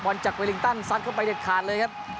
จากเวลิงตันซัดเข้าไปเด็ดขาดเลยครับ